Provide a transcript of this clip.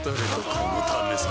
このためさ